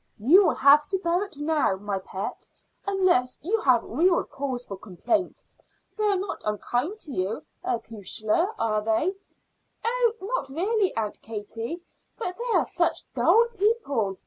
"You will have to bear it now, my pet, unless you have real cause for complaint. They're not unkind to you, acushla, are they?" "Oh, not really, Aunt Katie; but they're such dull people.